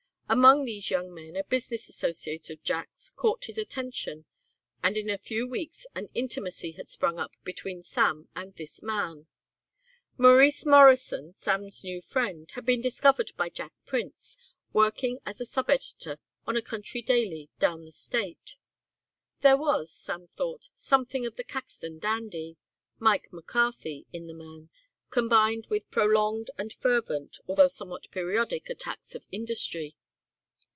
Among these young men a business associate of Jack's caught his attention and in a few weeks an intimacy had sprung up between Sam and this man. Maurice Morrison, Sam's new friend, had been discovered by Jack Prince working as a sub editor on a country daily down the state. There was, Sam thought, something of the Caxton dandy, Mike McCarthy, in the man, combined with prolonged and fervent, although somewhat periodic attacks of industry.